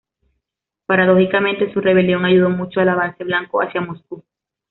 Paradójicamente, su rebelión ayudó mucho al avance blanco hacia Moscú.